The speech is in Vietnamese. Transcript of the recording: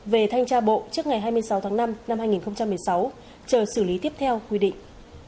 về thanh tra bộ trước ngày hai mươi sáu tháng năm năm hai nghìn một mươi sáu chờ xử lý tiếp theo quy định